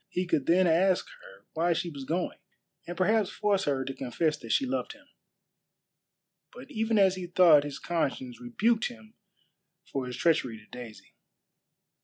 He could then ask her why she was going, and perhaps force her to confess that she loved him. But even as he thought his conscience rebuked him for his treachery to Daisy.